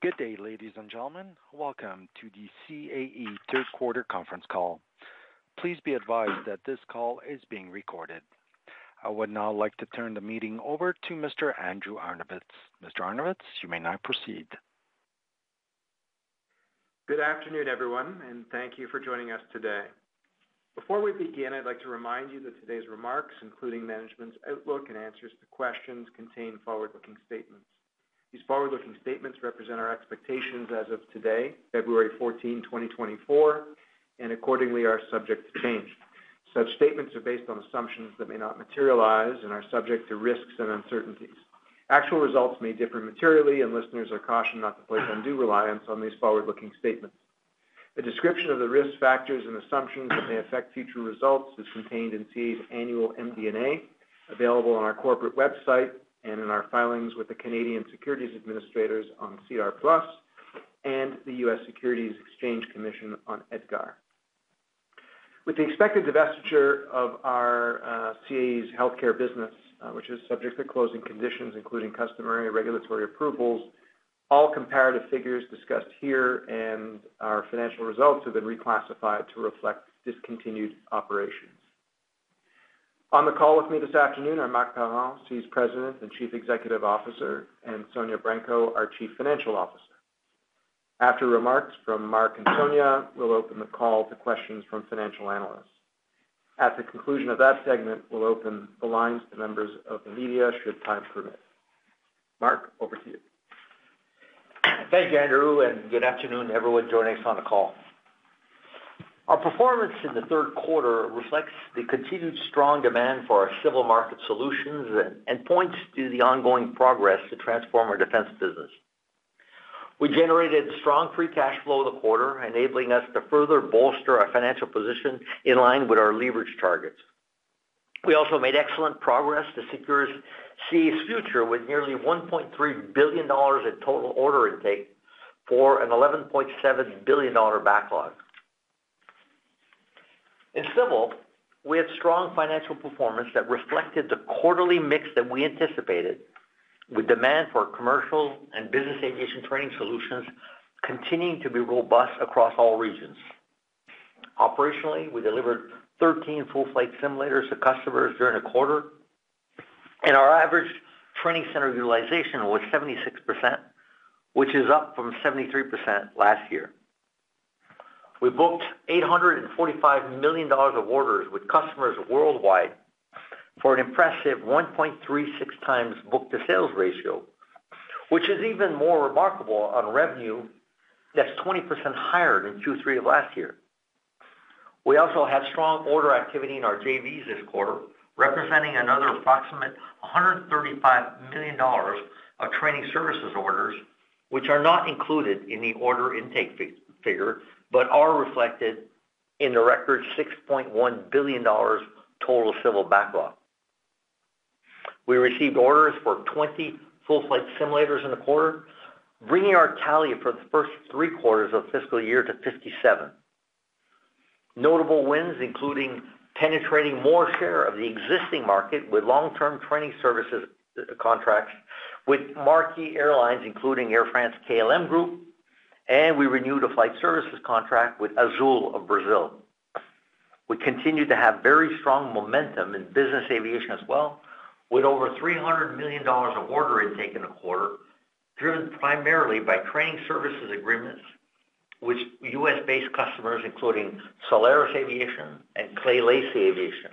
Good day, ladies and gentlemen. Welcome to the CAE Q3 conference call. Please be advised that this call is being recorded. I would now like to turn the meeting over to Mr. Andrew Arnovitz. Mr. Arnovitz, you may now proceed. Good afternoon, everyone, and thank you for joining us today. Before we begin, I'd like to remind you that today's remarks, including management's outlook and answers to questions, contain forward-looking statements. These forward-looking statements represent our expectations as of today, February 14, 2024, and accordingly are subject to change. Such statements are based on assumptions that may not materialize and are subject to risks and uncertainties. Actual results may differ materially, and listeners are cautioned not to place undue reliance on these forward-looking statements. A description of the risk factors and assumptions that may affect future results is contained in CAE's annual MD&A, available on our corporate website and in our filings with the Canadian Securities Administrators on SEDAR+ and the U.S. Securities and Exchange Commission on EDGAR. With the expected divestiture of our CAE's healthcare business, which is subject to closing conditions including customary regulatory approvals, all comparative figures discussed here and our financial results have been reclassified to reflect discontinued operations. On the call with me this afternoon, our Marc Parent is President and Chief Executive Officer, and Sonya Branco, our Chief Financial Officer. After remarks from Marc and Sonya, we'll open the call to questions from financial analysts. At the conclusion of that segment, we'll open the lines to members of the media should time permit. Marc, over to you. Thank you, Andrew, and good afternoon, everyone joining us on the call. Our performance in the third quarter reflects the continued strong demand for our civil market solutions and points to the ongoing progress to transform our defense business. We generated strong free cash flow the quarter, enabling us to further bolster our financial position in line with our leverage targets. We also made excellent progress to secure CAE's future with nearly $1.3 billion in total order intake for an $11.7 billion backlog. In civil, we had strong financial performance that reflected the quarterly mix that we anticipated, with demand for commercial and business aviation training solutions continuing to be robust across all regions. Operationally, we delivered 13 full-flight simulators to customers during the quarter, and our average training center utilization was 76%, which is up from 73% last year. We booked 845 million dollars of orders with customers worldwide for an impressive 1.36x book-to-bill ratio, which is even more remarkable on revenue that's 20% higher than Q3 of last year. We also had strong order activity in our JVs this quarter, representing another approximate 135 million dollars of training services orders, which are not included in the order intake figure but are reflected in the record's 6.1 billion dollars total civil backlog. We received orders for 20 full-flight simulators in the quarter, bringing our tally for the first three quarters of fiscal year to 57. Notable wins including penetrating more share of the existing market with long-term training services contracts with marquee airlines, including Air France-KLM Group, and we renewed a flight services contract with Azul of Brazil. We continued to have very strong momentum in business aviation as well, with over $300 million of order intake in the quarter driven primarily by training services agreements with U.S.-based customers, including Solairus Aviation and Clay Lacy Aviation.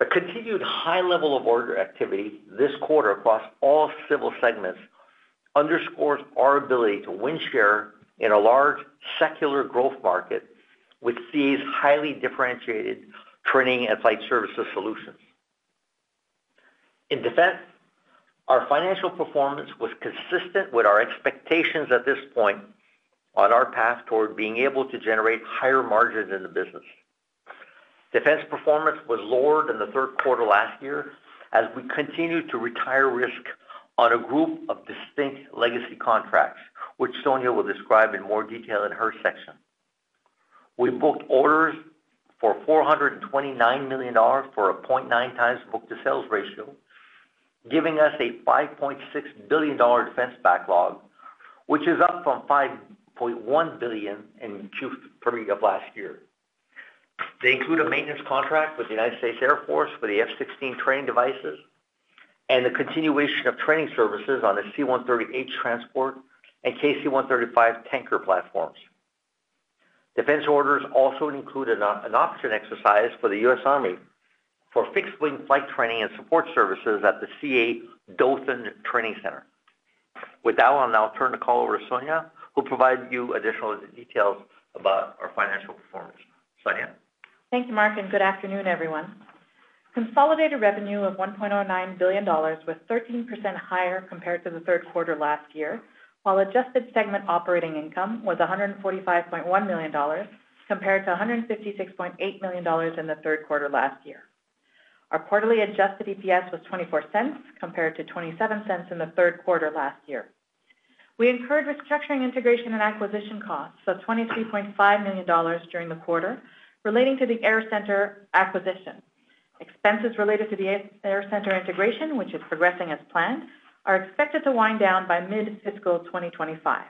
A continued high level of order activity this quarter across all civil segments underscores our ability to win share in a large secular growth market with CAE's highly differentiated training and flight services solutions. In defense, our financial performance was consistent with our expectations at this point on our path toward being able to generate higher margins in the business. Defense performance was lowered in the Q3 last year as we continued to retire risk on a group of distinct legacy contracts, which Sonya will describe in more detail in her section. We booked orders for $429 million for a 0.9x book-to-sales ratio, giving us a $5.6 billion defense backlog, which is up from $5.1 billion in Q3 of last year. They include a maintenance contract with the United States Air Force for the F-16 training devices and the continuation of training services on the C-130H transport and KC-135 tanker platforms. Defense orders also include an option exercise for the U.S. Army for fixed-wing flight training and support services at the CAE Dothan Training Center. With that, I'll now turn the call over to Sonya, who will provide you additional details about our financial performance. Sonya? Thank you, Marc, and good afternoon, everyone. Consolidated revenue of 1.09 billion dollars was 13% higher compared to the third quarter last year, while adjusted segment operating income was 145.1 million dollars compared to 156.8 million dollars in the third quarter last year. Our quarterly adjusted EPS was 0.24 compared to 0.27 in the third quarter last year. We incurred restructuring, integration, and acquisition costs of 23.5 million dollars during the quarter relating to the AirCentre acquisition. Expenses related to the AirCentre integration, which is progressing as planned, are expected to wind down by mid-fiscal 2025.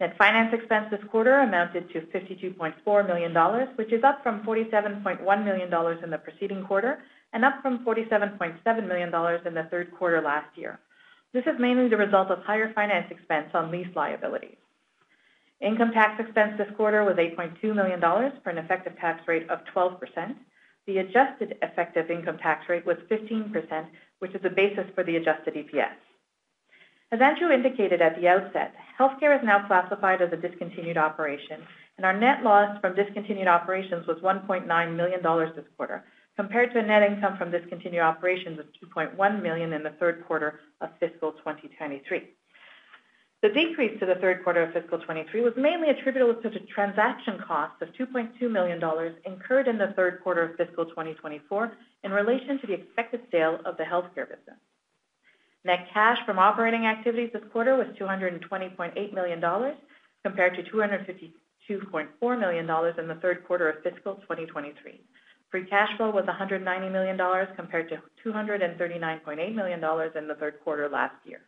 Net finance expense this quarter amounted to 52.4 million dollars, which is up from 47.1 million dollars in the preceding quarter and up from 47.7 million dollars in the third quarter last year. This is mainly the result of higher finance expense on lease liabilities. Income tax expense this quarter was 8.2 million dollars for an effective tax rate of 12%. The adjusted effective income tax rate was 15%, which is the basis for the adjusted EPS. As Andrew indicated at the outset, healthcare is now classified as a discontinued operation, and our net loss from discontinued operations was 1.9 million dollars this quarter compared to a net income from discontinued operations of 2.1 million in the Q3 of fiscal 2023. The decrease to the Q3 of fiscal 2023 was mainly attributable to transaction costs of 2.2 million dollars incurred in the Q3 of fiscal 2024 in relation to the expected sale of the healthcare business. Net cash from operating activities this quarter was 220.8 million dollars compared to 252.4 million dollars in the Q3 of fiscal 2023. Free cash flow was 190 million dollars compared to 239.8 million dollars in the Q3 last year.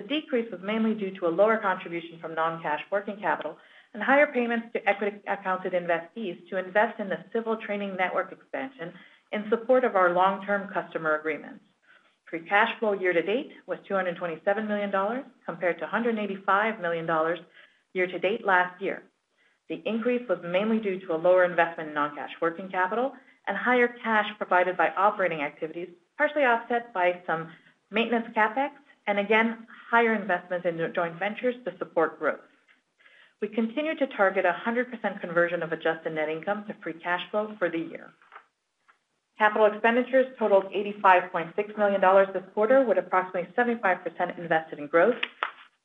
The decrease was mainly due to a lower contribution from non-cash working capital and higher payments to equity accounted investees to invest in the civil training network expansion in support of our long-term customer agreements. Free cash flow year-to-date was 227 million dollars compared to 185 million dollars year-to-date last year. The increase was mainly due to a lower investment in non-cash working capital and higher cash provided by operating activities, partially offset by some maintenance CapEx and, again, higher investments in joint ventures to support growth. We continue to target 100% conversion of adjusted net income to free cash flow for the year. Capital expenditures totaled 85.6 million dollars this quarter with approximately 75% invested in growth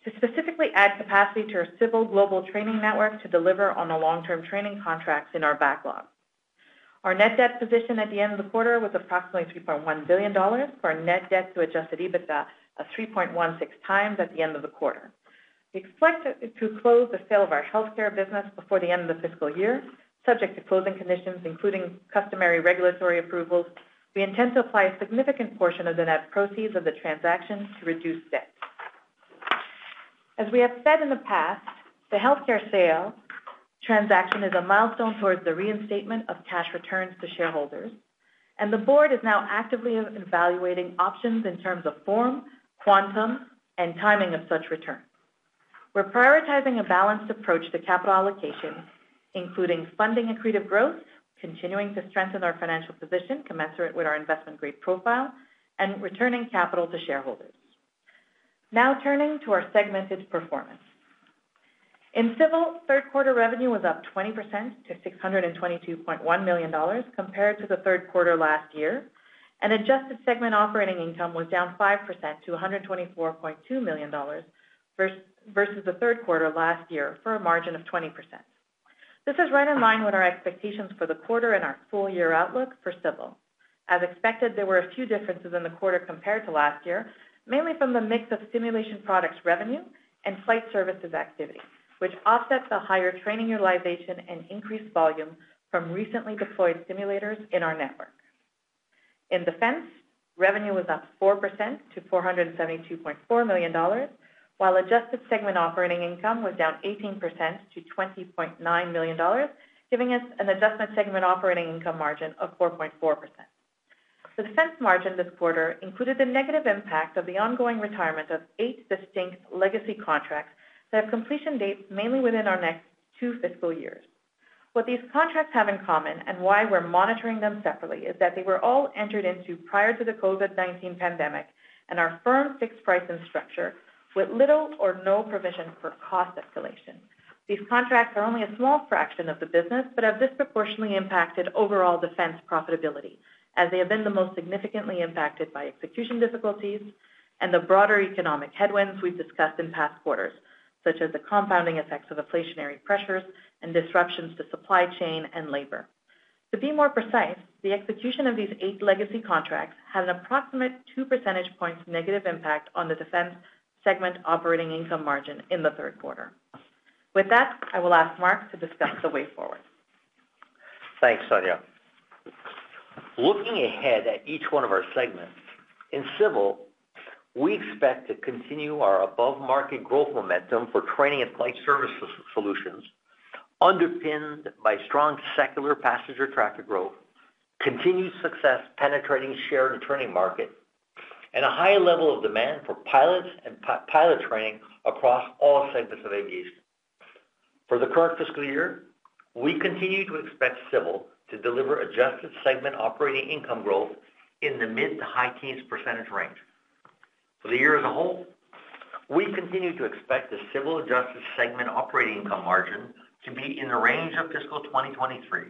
to specifically add capacity to our civil global training network to deliver on the long-term training contracts in our backlog. Our net debt position at the end of the quarter was approximately $3.1 billion with our net debt to Adjusted EBITDA of 3.16 times at the end of the quarter. We expect to close the sale of our healthcare business before the end of the fiscal year, subject to closing conditions including customary regulatory approvals. We intend to apply a significant portion of the net proceeds of the transaction to reduce debt. As we have said in the past, the healthcare sale transaction is a milestone towards the reinstatement of cash returns to shareholders, and the board is now actively evaluating options in terms of form, quantum, and timing of such return. We're prioritizing a balanced approach to capital allocation, including funding accretive growth, continuing to strengthen our financial position commensurate with our investment-grade profile, and returning capital to shareholders. Now turning to our segmented performance. In Civil, Q3 revenue was up 20% to 622.1 million dollars compared to the Q3 last year, and adjusted segment operating income was down 5% to 124.2 million dollars versus the Q3 last year for a margin of 20%. This is right in line with our expectations for the quarter and our full-year outlook for Civil. As expected, there were a few differences in the quarter compared to last year, mainly from the mix of simulation products revenue and flight services activity, which offsets the higher training utilization and increased volume from recently deployed simulators in our network. In Defense, revenue was up 4% to 472.4 million dollars, while adjusted segment operating income was down 18% to 20.9 million dollars, giving us an adjusted segment operating income margin of 4.4%. The defense margin this quarter included the negative impact of the ongoing retirement of eight distinct legacy contracts that have completion dates mainly within our next two fiscal years. What these contracts have in common and why we're monitoring them separately is that they were all entered into prior to the COVID-19 pandemic and our firm fixed pricing structure with little or no provision for cost escalation. These contracts are only a small fraction of the business but have disproportionately impacted overall defense profitability as they have been the most significantly impacted by execution difficulties and the broader economic headwinds we've discussed in past quarters, such as the compounding effects of inflationary pressures and disruptions to supply chain and labor. To be more precise, the execution of these eight legacy contracts had an approximate two percentage points negative impact on the defense segment operating income margin in the Q3. With that, I will ask Mark to discuss the way forward. Thanks, Sonya. Looking ahead at each one of our segments, in civil, we expect to continue our above-market growth momentum for training and flight services solutions underpinned by strong secular passenger traffic growth, continued success penetrating shared training market, and a high level of demand for pilots and pilot training across all segments of aviation. For the current fiscal year, we continue to expect civil to deliver Adjusted Segment Operating Income growth in the mid- to high-teens % range. For the year as a whole, we continue to expect the civil Adjusted Segment Operating Income margin to be in the range of fiscal 2023,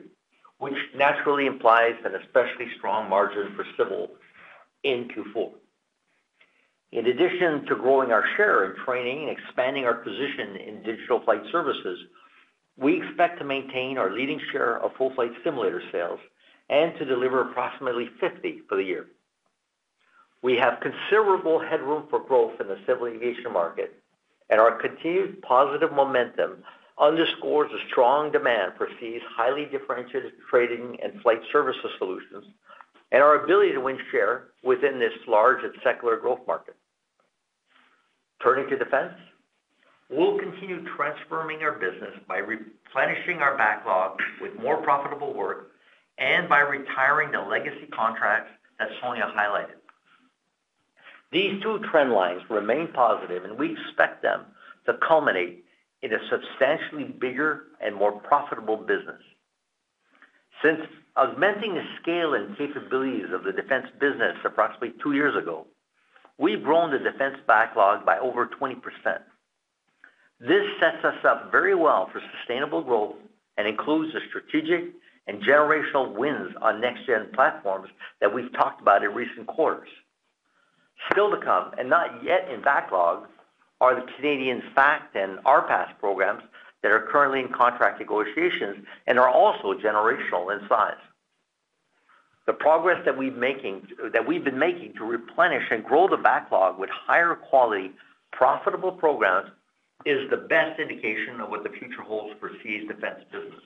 which naturally implies an especially strong margin for civil in Q4. In addition to growing our share in training and expanding our position in digital flight services, we expect to maintain our leading share of full-flight simulator sales and to deliver approximately 50 for the year. We have considerable headroom for growth in the civil aviation market, and our continued positive momentum underscores the strong demand for CAE's highly differentiated training and flight services solutions and our ability to win share within this large and secular growth market. Turning to defense, we'll continue transforming our business by replenishing our backlog with more profitable work and by retiring the legacy contracts that Sonya highlighted. These two trend lines remain positive, and we expect them to culminate in a substantially bigger and more profitable business. Since augmenting the scale and capabilities of the defense business approximately two years ago, we've grown the defense backlog by over 20%. This sets us up very well for sustainable growth and includes the strategic and generational wins on next-gen platforms that we've talked about in recent quarters. Still to come and not yet in backlog are the Canadian FacT and RPAS programs that are currently in contract negotiations and are also generational in size. The progress that we've been making to replenish and grow the backlog with higher-quality, profitable programs is the best indication of what the future holds for CAE's defense business.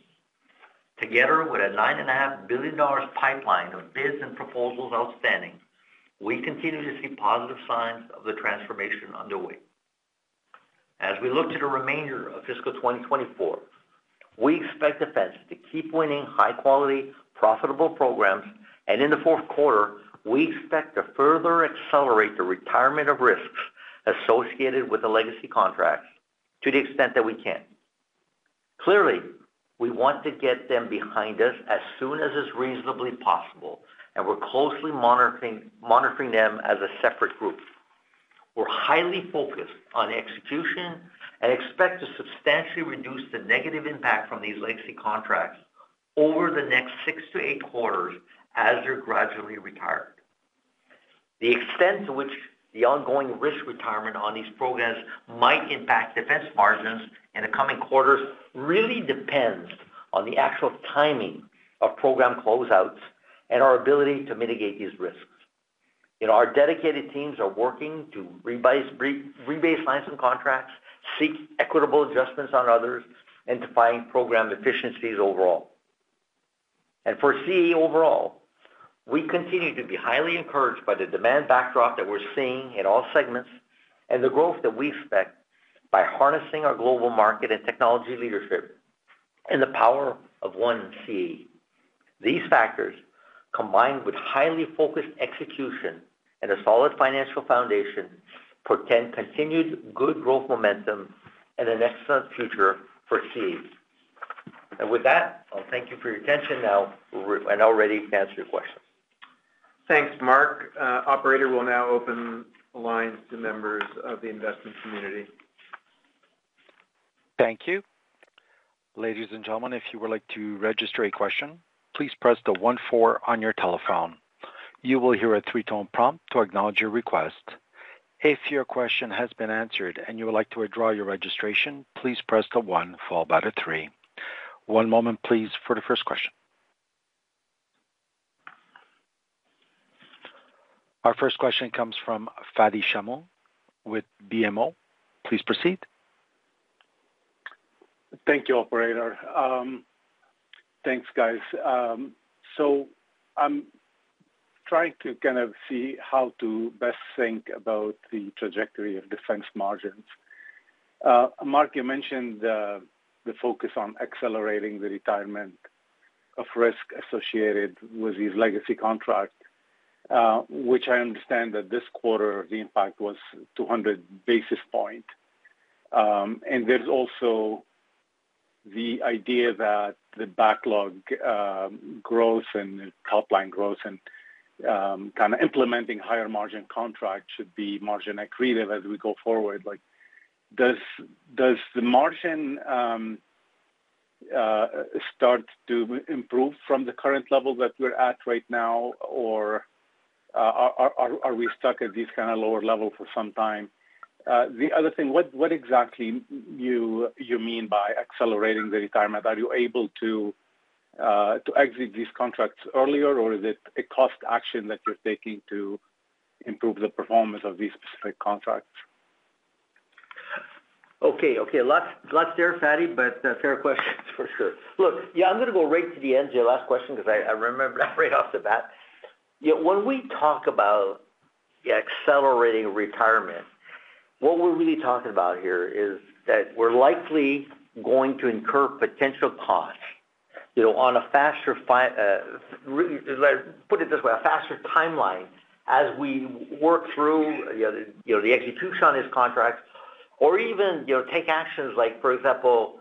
Together with a $9.5 billion pipeline of bids and proposals outstanding, we continue to see positive signs of the transformation underway. As we look to the remainder of fiscal 2024, we expect defense to keep winning high-quality, profitable programs, and in the Q4, we expect to further accelerate the retirement of risks associated with the legacy contracts to the extent that we can. Clearly, we want to get them behind us as soon as is reasonably possible, and we're closely monitoring them as a separate group. We're highly focused on execution and expect to substantially reduce the negative impact from these legacy contracts over the next six to eight quarters as they're gradually retired. The extent to which the ongoing risk retirement on these programs might impact defense margins in the coming quarters really depends on the actual timing of program closeouts and our ability to mitigate these risks. Our dedicated teams are working to rebase lines and contracts, seek equitable adjustments on others, and to find program efficiencies overall. And for CAE overall, we continue to be highly encouraged by the demand backdrop that we're seeing in all segments and the growth that we expect by harnessing our global market and technology leadership and the power of one CAE. These factors, combined with highly focused execution and a solid financial foundation, portend continued good growth momentum and an excellent future for CAE. With that, I'll thank you for your attention now and already answer your questions. Thanks, Mark. Operator will now open the lines to members of the investment community. Thank you. Ladies and gentlemen, if you would like to register a question, please press the one four on your telephone. You will hear a three-tone prompt to acknowledge your request. If your question has been answered and you would like to withdraw your registration, please press the one followed by the three. One moment, please, for the first question. Our first question comes from Fadi Chamoun with BMO. Please proceed. Thank you, Operator. Thanks, guys. I'm trying to kind of see how to best think about the trajectory of defense margins. Mark, you mentioned the focus on accelerating the retirement of risk associated with these legacy contracts, which I understand that this quarter, the impact was 200 basis points. And there's also the idea that the backlog growth and top-line growth and kind of implementing higher-margin contracts should be margin accretive as we go forward. Does the margin start to improve from the current level that we're at right now, or are we stuck at these kind of lower levels for some time? The other thing, what exactly you mean by accelerating the retirement? Are you able to exit these contracts earlier, or is it a cost action that you're taking to improve the performance of these specific contracts? Okay, okay. Lots there, Fadi, but fair questions for sure. Look, yeah, I'm going to go right to the end, your last question, because I remembered that right off the bat. When we talk about accelerating retirement, what we're really talking about here is that we're likely going to incur potential costs on a faster, put it this way, a faster timeline as we work through the execution on these contracts or even take actions like, for example,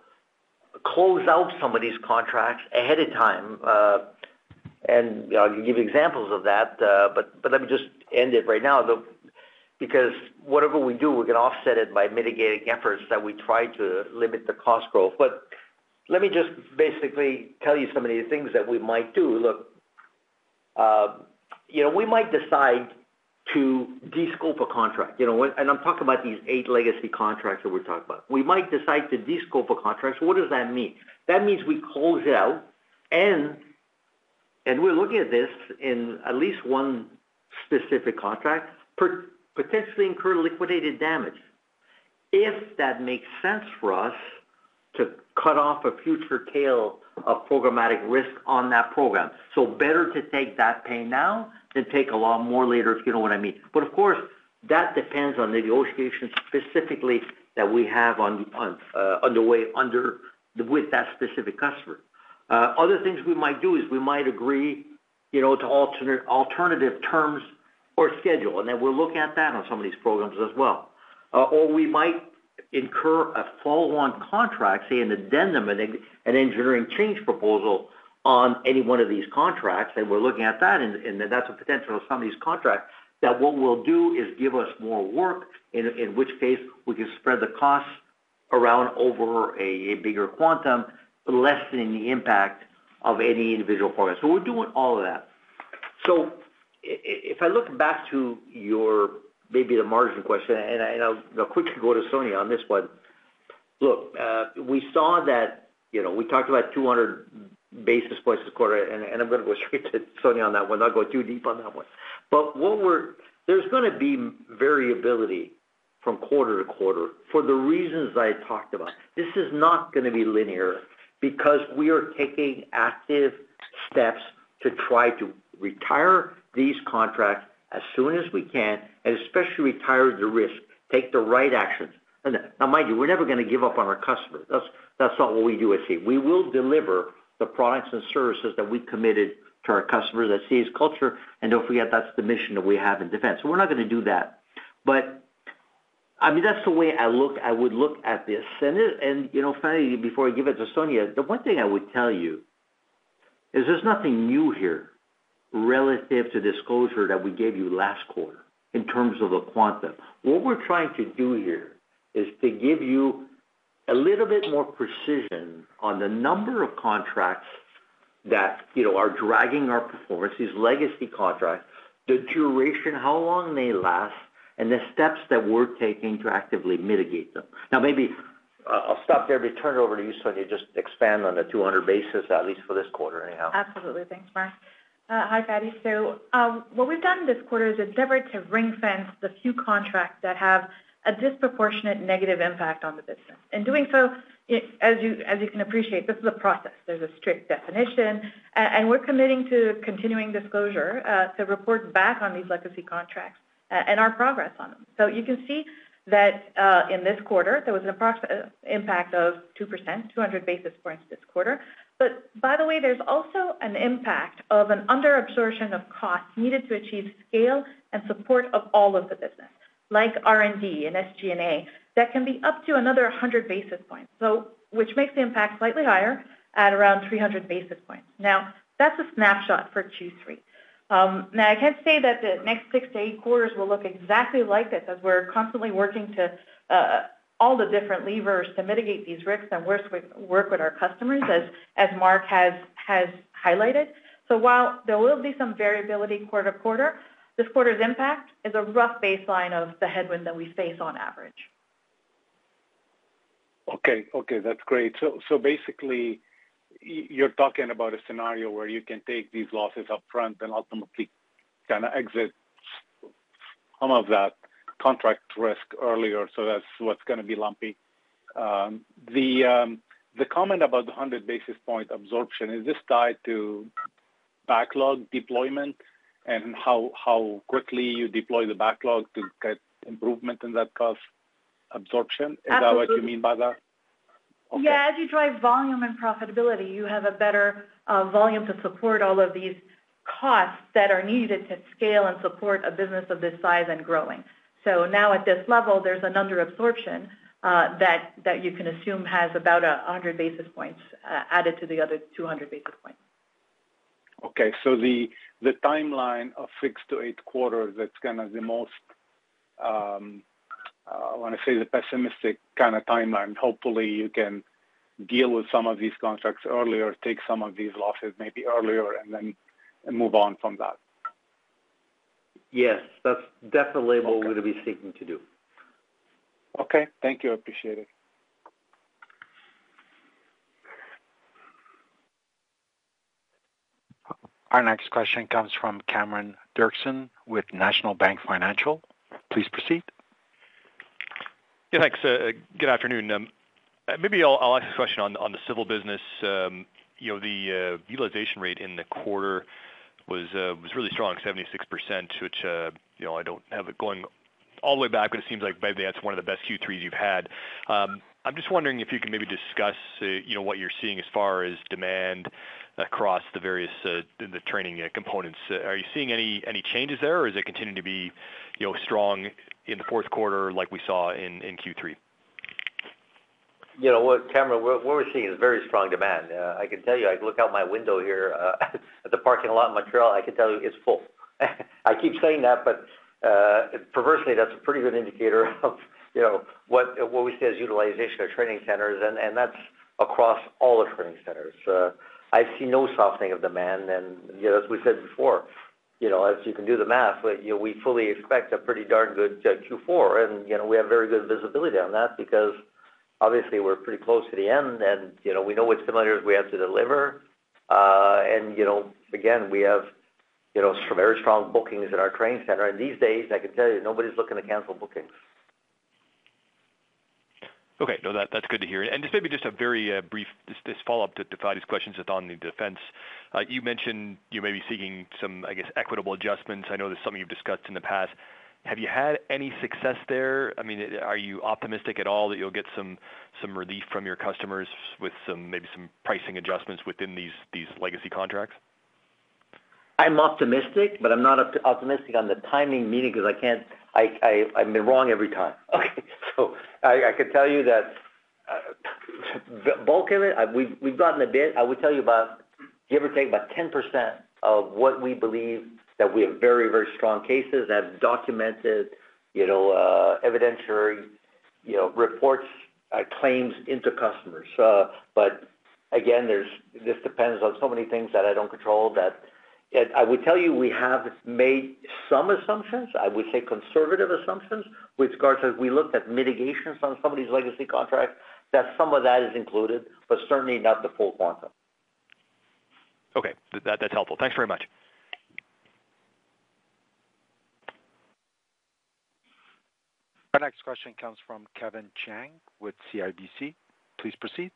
close out some of these contracts ahead of time. And I can give examples of that, but let me just end it right now because whatever we do, we can offset it by mitigating efforts that we try to limit the cost growth. But let me just basically tell you some of the things that we might do. Look, we might decide to descope a contract, and I'm talking about these eight legacy contracts that we're talking about. We might decide to descope a contract. What does that mean? That means we close it out, and we're looking at this in at least one specific contract, potentially incur liquidated damage if that makes sense for us to cut off a future tail of programmatic risk on that program. So better to take that pay now than take a lot more later if you know what I mean. But of course, that depends on the negotiations specifically that we have underway with that specific customer. Other things we might do is we might agree to alternative terms or schedule, and then we'll look at that on some of these programs as well. Or we might incur a follow-on contract, say, an addendum, an Engineering Change Proposal on any one of these contracts, and we're looking at that, and then that's a potential on some of these contracts that what we'll do is give us more work, in which case we can spread the costs around over a bigger quantum, lessening the impact of any individual program. So we're doing all of that. So if I look back to maybe the margin question, and I'll quickly go to Sonya on this one. Look, we saw that we talked about 200 basis points this quarter, and I'm going to go straight to Sonya on that one. I'll go too deep on that one. But there's going to be variability from quarter-to-quarter for the reasons I talked about. This is not going to be linear because we are taking active steps to try to retire these contracts as soon as we can and especially retire the risk, take the right actions. Now, mind you, we're never going to give up on our customers. That's not what we do at CAE. We will deliver the products and services that we committed to our customers, that's CAE's culture, and don't forget that's the mission that we have in defense. So we're not going to do that. But I mean, that's the way I would look at this. And Fadi, before I give it to Sonya, the one thing I would tell you is there's nothing new here relative to disclosure that we gave you last quarter in terms of the quantum. What we're trying to do here is to give you a little bit more precision on the number of contracts that are dragging our performance, these legacy contracts, the duration, how long they last, and the steps that we're taking to actively mitigate them. Now, maybe I'll stop there. Let me turn it over to you, Sonya, just expand on the 200 basis, at least for this quarter anyhow. Absolutely. Thanks, Mark. Hi, Fadi. So what we've done this quarter is endeavored to ring-fence the few contracts that have a disproportionate negative impact on the business. In doing so, as you can appreciate, this is a process. There's a strict definition, and we're committing to continuing disclosure to report back on these legacy contracts and our progress on them. So you can see that in this quarter, there was an impact of 2%, 200 basis points this quarter. But by the way, there's also an impact of an under-absorption of costs needed to achieve scale and support of all of the business, like R&D and SG&A, that can be up to another 100 basis points, which makes the impact slightly higher at around 300 basis points. Now, that's a snapshot for Q3. Now, I can't say that the next six to eight quarters will look exactly like this as we're constantly working to all the different levers to mitigate these risks and work with our customers, as Mark has highlighted. So while there will be some variability quarter-to-quarter, this quarter's impact is a rough baseline of the headwind that we face on average. Okay, okay. That's great. So basically, you're talking about a scenario where you can take these losses upfront and ultimately kind of exit some of that contract risk earlier, so that's what's going to be lumpy. The comment about the 100 basis points absorption, is this tied to backlog deployment and how quickly you deploy the backlog to get improvement in that cost absorption? Is that what you mean by that? Absolutely. Yeah. As you drive volume and profitability, you have a better volume to support all of these costs that are needed to scale and support a business of this size and growing. So now at this level, there's an under-absorption that you can assume has about 100 basis points added to the other 200 basis points. Okay. So the timeline of six to eight quarters, that's kind of the most, I want to say, the pessimistic kind of timeline. Hopefully, you can deal with some of these contracts earlier, take some of these losses maybe earlier, and then move on from that. Yes. That's definitely what we're going to be seeking to do. Okay. Thank you. I appreciate it. Our next question comes from Cameron Doerksen with National Bank Financial. Please proceed. Yeah, thanks. Good afternoon. Maybe I'll ask a question on the civil business. The utilization rate in the quarter was really strong, 76%, which I don't have it going all the way back, but it seems like maybe that's one of the best Q3s you've had. I'm just wondering if you can maybe discuss what you're seeing as far as demand across the training components. Are you seeing any changes there, or does it continue to be strong in the Q4 like we saw in Q3? You know what, Cameron? What we're seeing is very strong demand. I can tell you, I look out my window here at the parking lot in Montreal, I can tell you it's full. I keep saying that, but perversely, that's a pretty good indicator of what we see as utilization of training centers, and that's across all the training centers. I've seen no softening of demand. As we said before, as you can do the math, we fully expect a pretty darn good Q4, and we have very good visibility on that because obviously, we're pretty close to the end, and we know what simulators we have to deliver. Again, we have very strong bookings in our training center. These days, I can tell you, nobody's looking to cancel bookings. Okay. No, that's good to hear. And just maybe just a very brief follow-up to Fadi's questions on the defense. You mentioned you're maybe seeking some, I guess, equitable adjustments. I know there's something you've discussed in the past. Have you had any success there? I mean, are you optimistic at all that you'll get some relief from your customers with maybe some pricing adjustments within these legacy contracts? I'm optimistic, but I'm not optimistic on the timing meeting because I've been wrong every time. Okay. So I can tell you that bulk of it, we've gotten a bit. I would tell you about, give or take, about 10% of what we believe that we have very, very strong cases, have documented evidentiary reports, claims into customers. But again, this depends on so many things that I don't control that I would tell you we have made some assumptions, I would say conservative assumptions, with regards to we looked at mitigations on some of these legacy contracts that some of that is included, but certainly not the full quantum. Okay. That's helpful. Thanks very much. Our next question comes from Kevin Chiang with CIBC. Please proceed.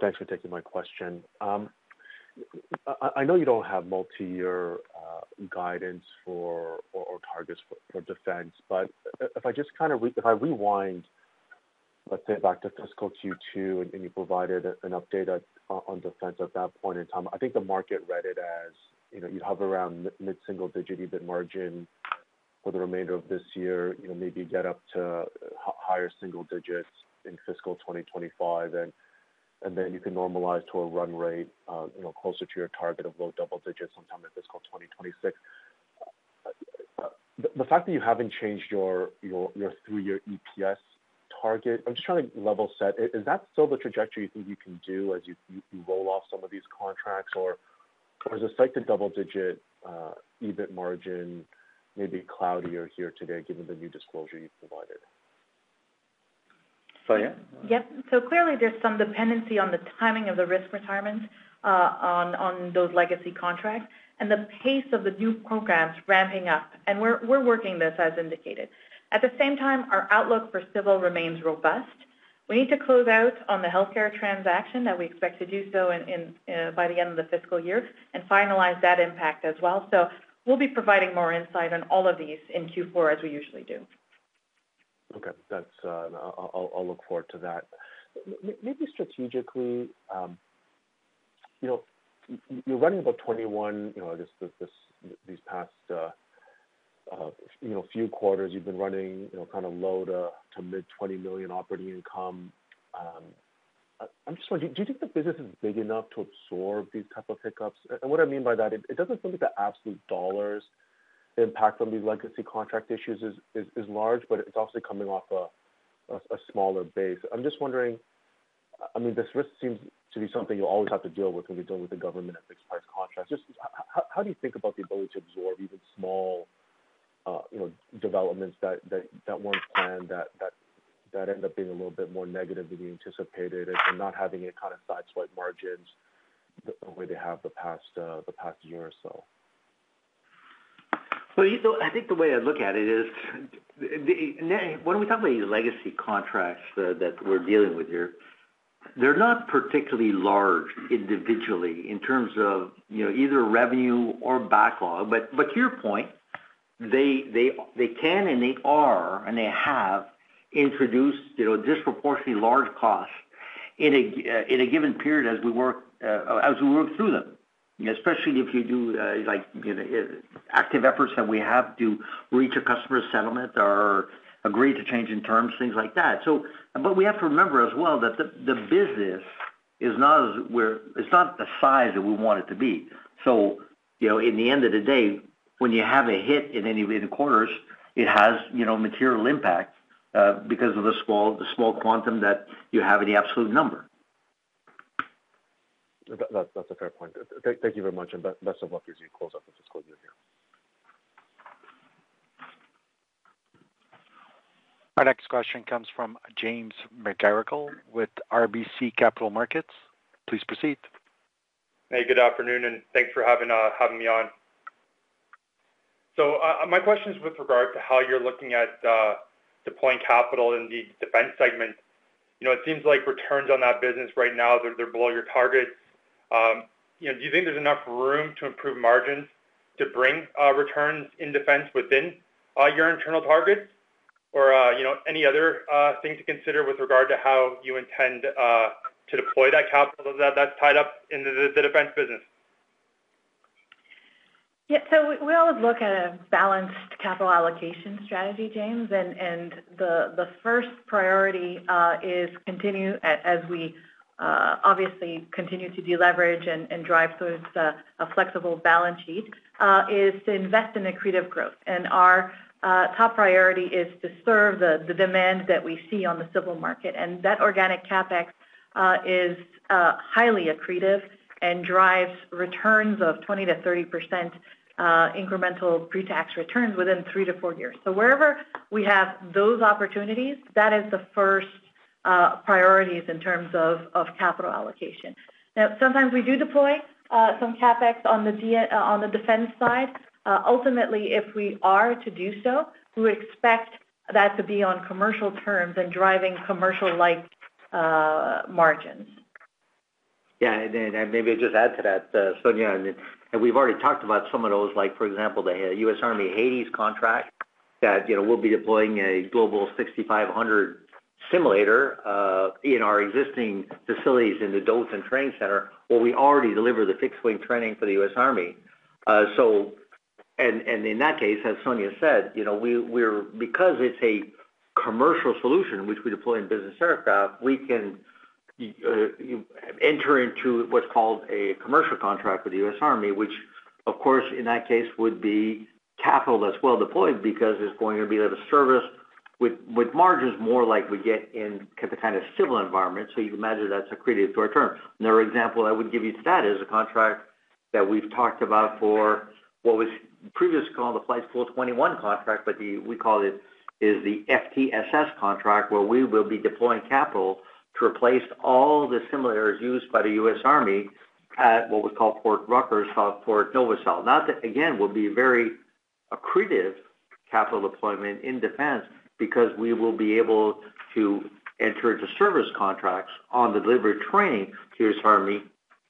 Thanks for taking my question. I know you don't have multi-year guidance or targets for defense, but if I just kind of rewind, let's say, back to fiscal Q2 and you provided an update on defense at that point in time, I think the market read it as you'd hover around mid-single-digit EBIT margin for the remainder of this year, maybe get up to higher single digits in fiscal 2025, and then you can normalize to a run rate closer to your target of low double digits sometime in fiscal 2026. The fact that you haven't changed your three-year EPS target, I'm just trying to level set. Is that still the trajectory you think you can do as you roll off some of these contracts, or is the path to double-digit EBIT margin maybe cloudier here today given the new disclosure you've provided? Sonya? Yep. So clearly, there's some dependency on the timing of the risk retirements on those legacy contracts and the pace of the new programs ramping up. We're working this as indicated. At the same time, our outlook for civil remains robust. We need to close out on the healthcare transaction that we expect to do so by the end of the fiscal year and finalize that impact as well. We'll be providing more insight on all of these in Q4 as we usually do. Okay. I'll look forward to that. Maybe strategically, you're running about 21, I guess, these past few quarters. You've been running kind of low- to mid-CAD 20 million operating income. I'm just wondering, do you think the business is big enough to absorb these type of hiccups? And what I mean by that, it doesn't seem like the absolute dollars impact from these legacy contract issues is large, but it's obviously coming off a smaller base. I'm just wondering, I mean, this risk seems to be something you'll always have to deal with when you're dealing with the government at fixed-price contracts. How do you think about the ability to absorb even small developments that weren't planned that end up being a little bit more negative than you anticipated and not having any kind of sideswipe margins the way they have the past year or so? Well, I think the way I look at it is when we talk about these legacy contracts that we're dealing with here, they're not particularly large individually in terms of either revenue or backlog. But to your point, they can, and they are, and they have introduced disproportionately large costs in a given period as we work through them, especially if you do active efforts that we have to reach a customer's settlement or agree to change in terms, things like that. But we have to remember as well that the business is not the size that we want it to be. So in the end of the day, when you have a hit in any of the quarters, it has material impact because of the small quantum that you have in the absolute number. That's a fair point. Thank you very much, and best of luck as you close out the fiscal year here. Our next question comes from James McGarragle with RBC Capital Markets. Please proceed. Hey, good afternoon, and thanks for having me on. So my question is with regard to how you're looking at deploying capital in the defense segment. It seems like returns on that business right now, they're below your targets. Do you think there's enough room to improve margins to bring returns in defense within your internal targets or any other thing to consider with regard to how you intend to deploy that capital that's tied up in the defense business? Yeah. So we always look at a balanced capital allocation strategy, James. And the first priority is, as we obviously continue to deleverage and drive towards a flexible balance sheet, is to invest in accretive growth. And our top priority is to serve the demand that we see on the civil market. And that organic CapEx is highly accretive and drives returns of 20%-30% incremental pre-tax returns within three to four years. So wherever we have those opportunities, that is the first priorities in terms of capital allocation. Now, sometimes we do deploy some CapEx on the defense side. Ultimately, if we are to do so, we would expect that to be on commercial terms and driving commercial-like margins. Yeah. And maybe I'll just add to that, Sonya, and we've already talked about some of those, for example, the U.S. Army HADES contract that we'll be deploying a Global 6500 simulator in our existing facilities in the Dothan training center while we already deliver the fixed-wing training for the U.S. Army. And in that case, as Sonya said, because it's a commercial solution, which we deploy in business aircraft, we can enter into what's called a commercial contract with the U.S. Army, which, of course, in that case, would be capital that's well deployed because it's going to be able to service with margins more like we get in the kind of civil environment. So you can imagine that's accretive short term. Another example I would give you to that is a contract that we've talked about for what was previously called the Flight School XXI contract, but we call it is the FTSS contract where we will be deploying capital to replace all the simulators used by the U.S. Army at what was called Fort Rucker, Fort Novosel. Again, it will be a very accretive capital deployment in defense because we will be able to enter into service contracts on the delivery training to the U.S. Army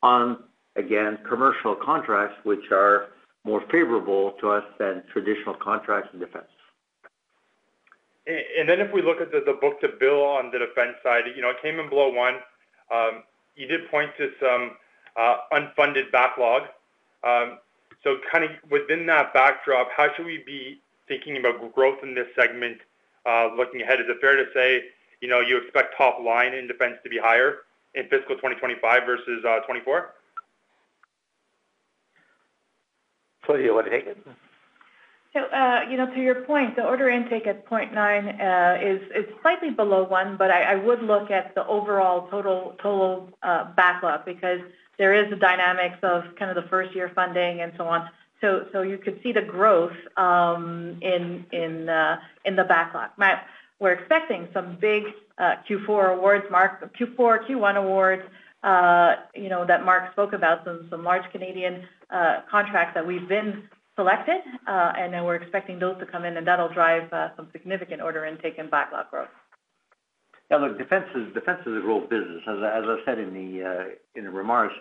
on, again, commercial contracts, which are more favorable to us than traditional contracts in defense. Then if we look at the book-to-bill on the defense side, it came in below one. You did point to some unfunded backlog. Kind of within that backdrop, how should we be thinking about growth in this segment looking ahead? Is it fair to say you expect top line in defense to be higher in fiscal 2025 versus 2024? Sonya, you want to take it? To your point, the order intake at 0.9 is slightly below one, but I would look at the overall total backlog because there is a dynamics of kind of the first-year funding and so on. You could see the growth in the backlog. We're expecting some big Q4 awards, Q4, Q1 awards that Marc spoke about, some large Canadian contracts that we've been selected, and then we're expecting those to come in, and that'll drive some significant order intake and backlog growth. Now, look, defense is a growth business. As I said in the remarks,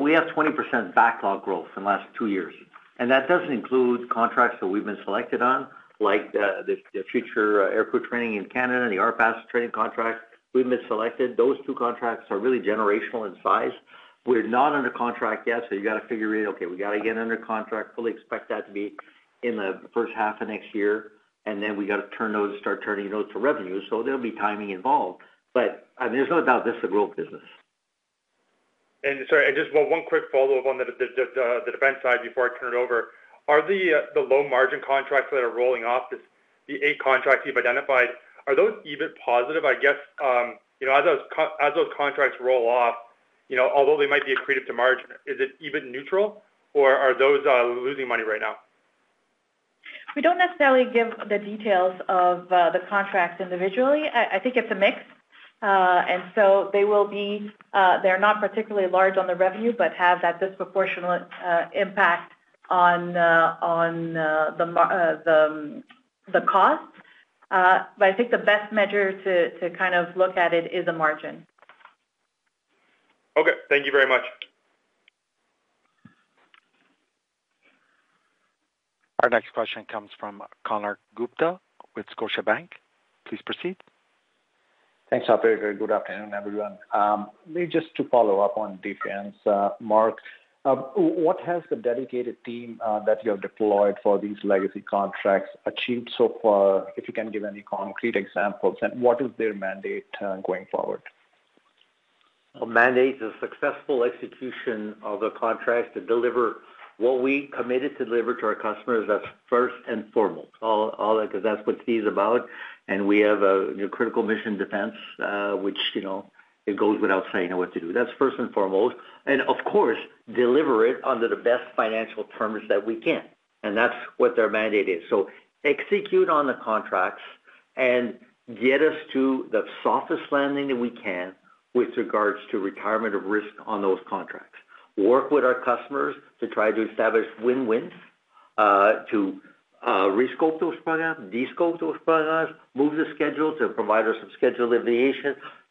we have 20% backlog growth in the last two years. And that doesn't include contracts that we've been selected on like the future aircrew training in Canada, the RPAS training contracts we've been selected. Those two contracts are really generational in size. We're not under contract yet, so you got to figure it out. Okay, we got to get under contract, fully expect that to be in the H1 of next year, and then we got to turn those and start turning those to revenue. So there'll be timing involved. But I mean, there's no doubt this is a growth business. Sorry, just one quick follow-up on the defense side before I turn it over. Are the low-margin contracts that are rolling off, the eight contracts you've identified, are those even positive? I guess as those contracts roll off, although they might be accretive to margin, is it even neutral, or are those losing money right now? We don't necessarily give the details of the contracts individually. I think it's a mix. And so they will be. They're not particularly large on the revenue but have that disproportionate impact on the costs. But I think the best measure to kind of look at it is a margin. Okay. Thank you very much. Our next question comes from Konark Gupta with Scotiabank. Please proceed. Thanks, Operator. Good afternoon, everyone. Maybe just to follow up on defense, Mark, what has the dedicated team that you have deployed for these legacy contracts achieved so far? If you can give any concrete examples, and what is their mandate going forward? Mandate is successful execution of the contracts to deliver what we committed to deliver to our customers. That's first and foremost because that's what CAE is about. We have a critical mission defense, which it goes without saying what to do. That's first and foremost. Of course, deliver it under the best financial terms that we can. That's what their mandate is. Execute on the contracts and get us to the softest landing that we can with regards to retirement of risk on those contracts. Work with our customers to try to establish win-wins to rescope those programs, descope those programs, move the schedule to provide us some schedule relief,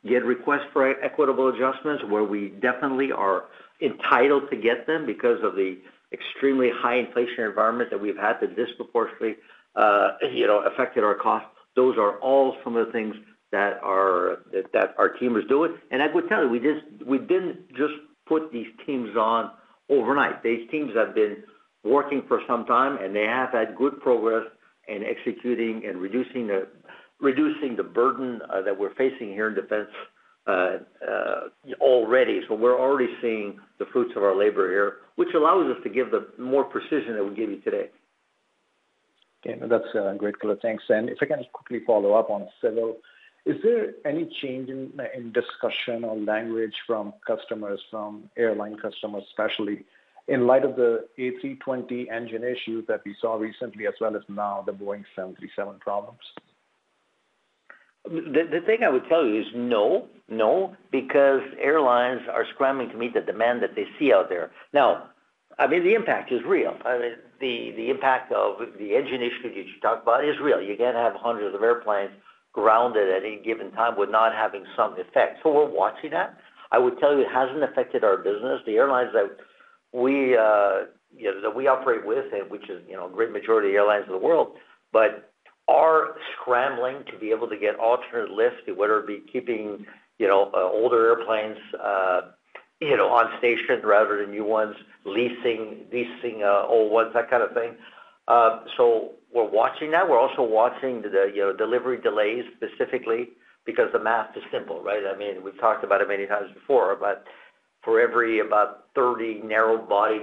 get requests for equitable adjustments where we definitely are entitled to get them because of the extremely high inflation environment that we've had that disproportionately affected our costs. Those are all some of the things that our team is doing. I would tell you, we didn't just put these teams on overnight. These teams have been working for some time, and they have had good progress in executing and reducing the burden that we're facing here in defense already. We're already seeing the fruits of our labor here, which allows us to give the more precision that we give you today. Okay. That's a great color. Thanks. If I can quickly follow up on civil, is there any change in discussion or language from customers, from airline customers, especially in light of the A320 engine issues that we saw recently as well as now the Boeing 737 problems? The thing I would tell you is no, no, because airlines are scrambling to meet the demand that they see out there. Now, I mean, the impact is real. I mean, the impact of the engine issue that you talked about is real. You can't have hundreds of airplanes grounded at any given time without having some effect. So we're watching that. I would tell you it hasn't affected our business, the airlines that we operate with, which is a great majority of airlines in the world, but are scrambling to be able to get alternate lifts, whether it be keeping older airplanes on station longer than new ones, leasing old ones, that kind of thing. So we're watching that. We're also watching the delivery delays specifically because the math is simple, right? I mean, we've talked about it many times before, but for every about 30 narrow-body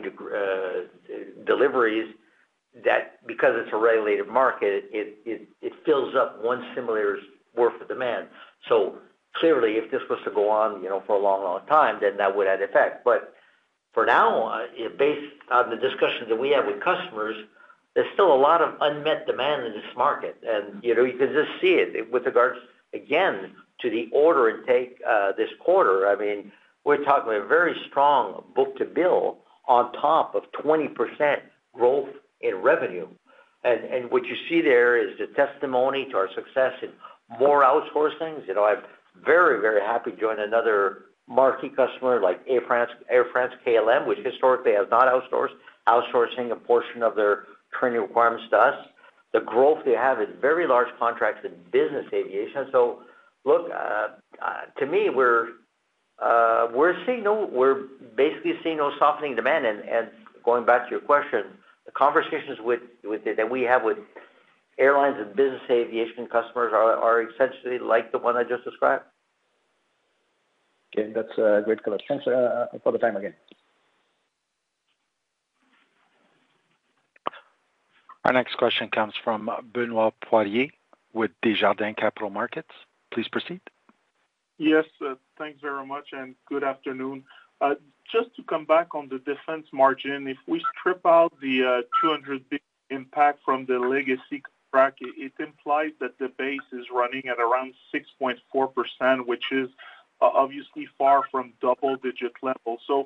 deliveries, because it's a regulated market, it fills up one simulator's worth of demand. So clearly, if this was to go on for a long, long time, then that would have effect. But for now, based on the discussion that we have with customers, there's still a lot of unmet demand in this market. And you can just see it with regards, again, to the order intake this quarter. I mean, we're talking about a very strong book-to-bill on top of 20% growth in revenue. And what you see there is the testimony to our success in more outsourcings. I'm very, very happy to join another marquee customer like Air France-KLM, which historically has not outsourced, outsourcing a portion of their training requirements to us. The growth they have in very large contracts in business aviation. So look, to me, we're basically seeing no softening demand. And going back to your question, the conversations that we have with airlines and business aviation customers are essentially like the one I just described. Okay. That's a great color. Thanks for the time again. Our next question comes from Benoit Poirier with Desjardins Capital Markets. Please proceed. Yes. Thanks very much, and good afternoon. Just to come back on the defense margin, if we strip out the $200 million impact from the legacy contract, it implies that the base is running at around 6.4%, which is obviously far from double-digit levels. So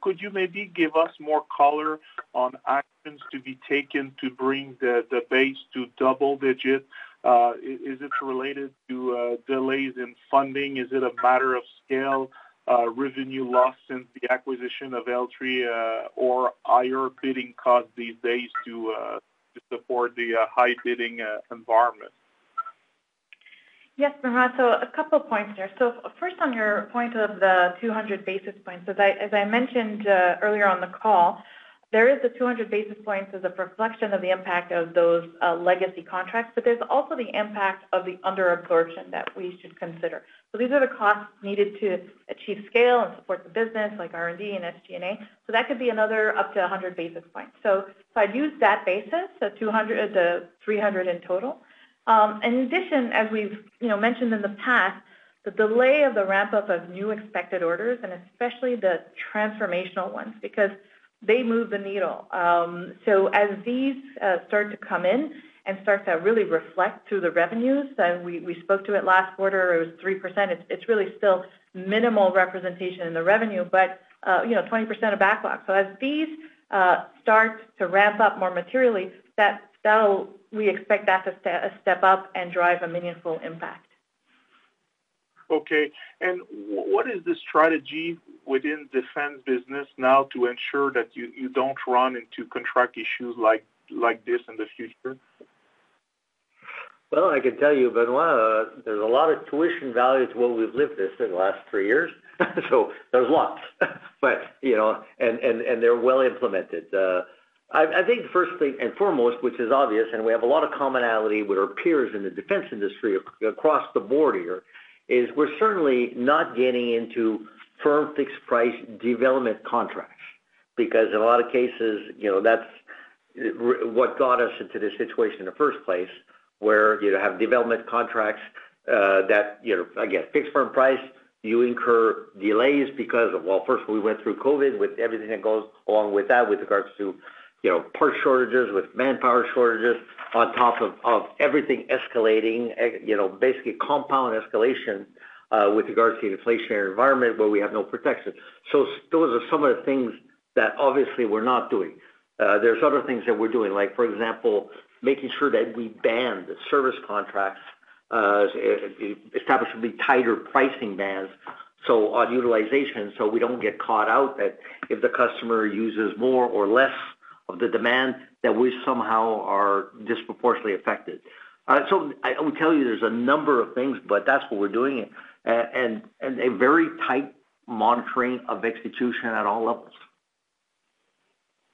could you maybe give us more color on actions to be taken to bring the base to double-digit? Is it related to delays in funding? Is it a matter of scale, revenue loss since the acquisition of L3, or higher bidding costs these days to support the high-bidding environment? Yes, Benoit. So a couple of points there. So first, on your point of the 200 basis points, as I mentioned earlier on the call, there is the 200 basis points as a reflection of the impact of those legacy contracts, but there's also the impact of the under-absorption that we should consider. So these are the costs needed to achieve scale and support the business like R&D and SG&A. So that could be another up to 100 basis points. So if I'd use that basis, the 300 in total. In addition, as we've mentioned in the past, the delay of the ramp-up of new expected orders, and especially the transformational ones, because they move the needle. So as these start to come in and start to really reflect through the revenues that we spoke to at last quarter, it was 3%. It's really still minimal representation in the revenue, but 20% of backlog. So as these start to ramp up more materially, we expect that to step up and drive a meaningful impact. Okay. And what is this strategy within defense business now to ensure that you don't run into contract issues like this in the future? Well, I can tell you, Benoit, there's a lot of tuition value to what we've lived through the last three years. So there's lots, and they're well implemented. I think the first thing and foremost, which is obvious, and we have a lot of commonality with our peers in the defense industry across the board here, is we're certainly not getting into firm fixed-price development contracts because in a lot of cases, that's what got us into this situation in the first place where you have development contracts that, again, fixed firm price, you incur delays because of, well, first of all, we went through COVID with everything that goes along with that with regards to parts shortages, with manpower shortages, on top of everything escalating, basically compound escalation with regards to the inflationary environment where we have no protection. Those are some of the things that obviously we're not doing. There's other things that we're doing, like, for example, making sure that we bang the service contracts, establishing tighter pricing bands on utilization so we don't get caught out that if the customer uses more or less of the demand, that we somehow are disproportionately affected. I would tell you there's a number of things, but that's what we're doing, and a very tight monitoring of execution at all levels.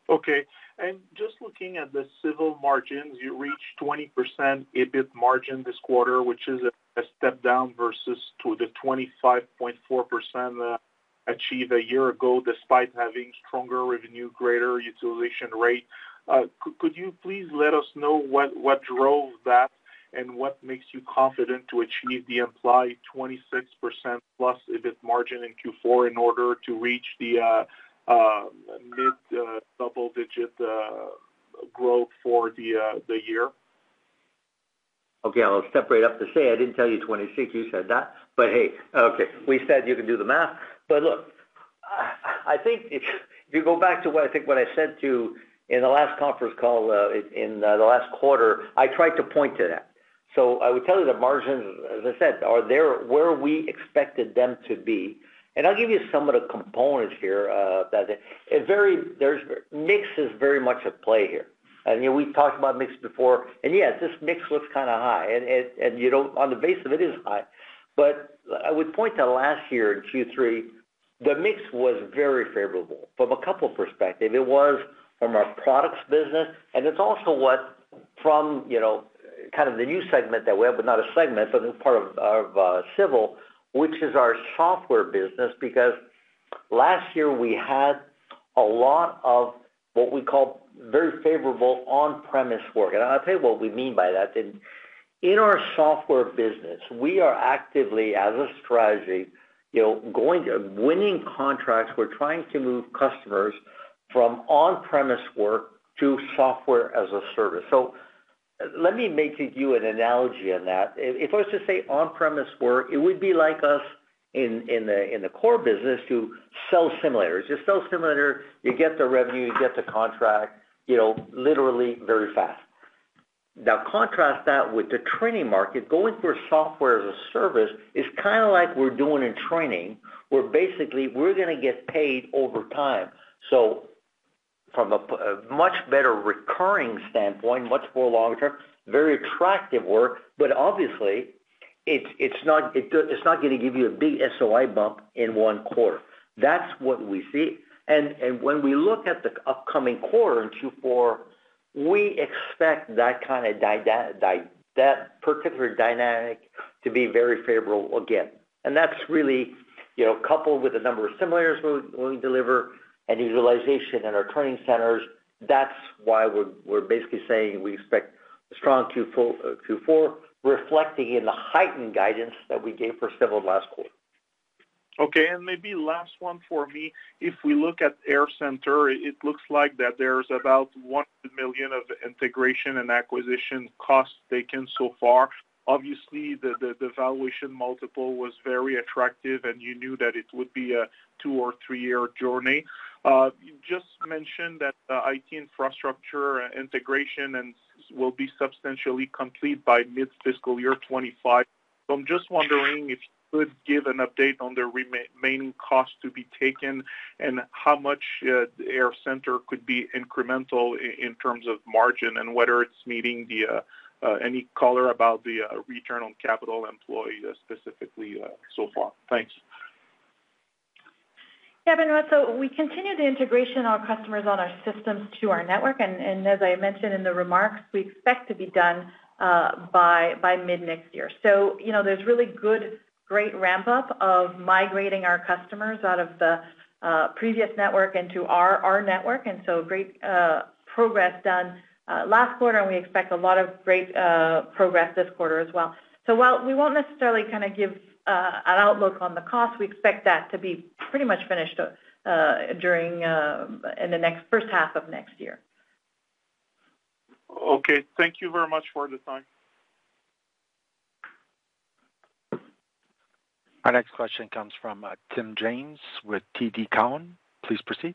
Okay. And just looking at the civil margins, you reached 20% EBIT margin this quarter, which is a step down versus to the 25.4% achieved a year ago despite having stronger revenue, greater utilization rate. Could you please let us know what drove that and what makes you confident to achieve the implied 26%+ EBIT margin in Q4 in order to reach the mid-double-digit growth for the year? Okay. I'll step right up to say I didn't tell you 26. You said that. But hey, okay, we said you could do the math. But look, I think if you go back to what I think what I said to you in the last conference call in the last quarter, I tried to point to that. So I would tell you the margins, as I said, are where we expected them to be. And I'll give you some of the components here. There's mix is very much at play here. And we've talked about mix before. And yeah, this mix looks kind of high. And on the base of it, it is high. But I would point to last year in Q3, the mix was very favorable from a couple of perspectives. It was from our products business, and it's also what from kind of the new segment that we have, but not a segment, but a new part of civil, which is our software business because last year, we had a lot of what we call very favorable on-premise work. And I'll tell you what we mean by that. In our software business, we are actively, as a strategy, winning contracts. We're trying to move customers from on-premise work to software as a service. So let me make you an analogy on that. If I was to say on-premise work, it would be like us in the core business to sell simulators. You sell simulator, you get the revenue, you get the contract, literally very fast. Now, contrast that with the training market. Going through software as a service is kind of like we're doing in training. Basically, we're going to get paid over time. So from a much better recurring standpoint, much more long-term, very attractive work, but obviously, it's not going to give you a big SOI bump in one quarter. That's what we see. And when we look at the upcoming quarter in Q4, we expect that kind of particular dynamic to be very favorable again. And that's really coupled with the number of simulators we deliver and utilization in our training centers. That's why we're basically saying we expect a strong Q4 reflecting in the heightened guidance that we gave for civil last quarter. Okay. And maybe last one for me. If we look at Air Center, it looks like that there's abou 1 million of integration and acquisition costs taken so far. Obviously, the valuation multiple was very attractive, and you knew that it would be a two- or three-year journey. You just mentioned that the IT infrastructure integration will be substantially complete by mid-fiscal year 2025. So I'm just wondering if you could give an update on the remaining costs to be taken and how much Air Center could be incremental in terms of margin and whether it's meeting any color about the return on capital employed specifically so far. Thanks. Yeah, Benoit. We continue the integration of our customers on our systems to our network. As I mentioned in the remarks, we expect to be done by mid-next year. There's really great ramp-up of migrating our customers out of the previous network into our network. So great progress done last quarter, and we expect a lot of great progress this quarter as well. While we won't necessarily kind of give an outlook on the cost, we expect that to be pretty much finished in the H1 of next year. Okay. Thank you very much for the time. Our next question comes from Tim James with TD Cowen. Please proceed.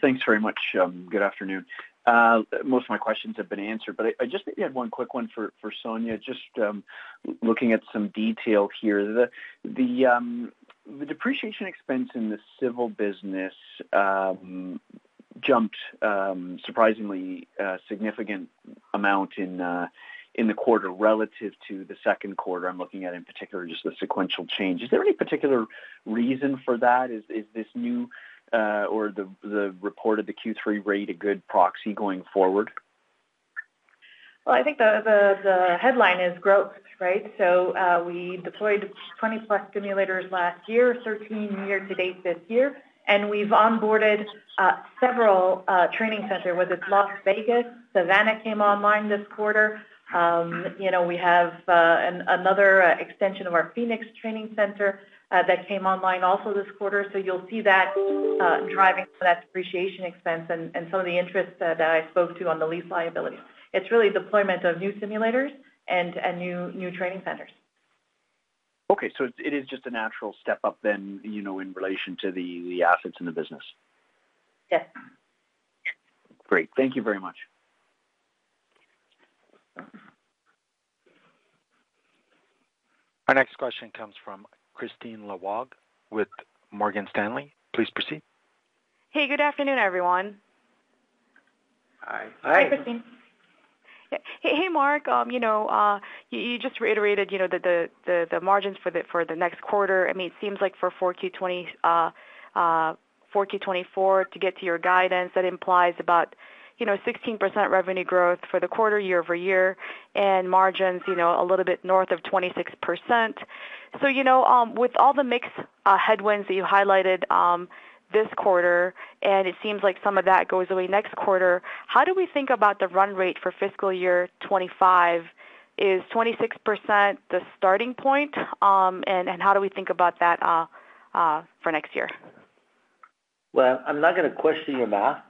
Thanks very much. Good afternoon. Most of my questions have been answered, but I just maybe had one quick one for Sonya, just looking at some detail here. The depreciation expense in the civil business jumped surprisingly significant amount in the quarter relative to the Q2. I'm looking at in particular just the sequential change. Is there any particular reason for that? Is this new or the report of the Q3 rate a good proxy going forward? Well, I think the headline is growth, right? So we deployed 20+ simulators last year, 13 year-to-date this year, and we've onboarded several training centers, whether it's Las Vegas, Savannah came online this quarter. We have another extension of our Phoenix training center that came online also this quarter. So you'll see that driving some of that depreciation expense and some of the interest that I spoke to on the lease liabilities. It's really deployment of new simulators and new training centers. Okay. It is just a natural step up then in relation to the assets in the business? Yes. Great. Thank you very much. Our next question comes from Kristine Liwag with Morgan Stanley. Please proceed. Hey. Good afternoon, everyone. Hi. Hi. Hi, Christine. Hey, Mark. You just reiterated that the margins for the next quarter, I mean, it seems like for Q4 2024 to get to your guidance, that implies about 16% revenue growth for the quarter year-over-year and margins a little bit north of 26%. So with all the mixed headwinds that you highlighted this quarter, and it seems like some of that goes away next quarter, how do we think about the run rate for fiscal year 2025? Is 26% the starting point, and how do we think about that for next year? Well, I'm not going to question your math,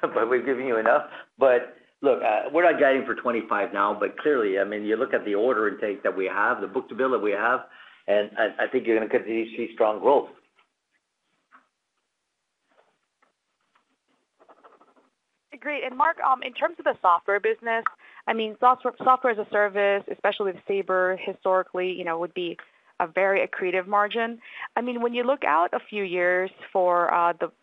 but we've given you enough. But look, we're not guiding for 2025 now. But clearly, I mean, you look at the order intake that we have, the book-to-bill that we have, and I think you're going to see strong growth. Agreed. Mark, in terms of the software business, I mean, software as a service, especially with Sabre, historically, would be a very accretive margin. I mean, when you look out a few years for